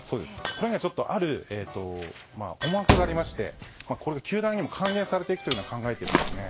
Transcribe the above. これにはある思惑がありましてこれが球団にも還元されていくと考えているんですね。